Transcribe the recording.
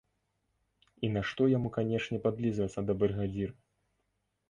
І нашто яму канечне падлізвацца да брыгадзіра?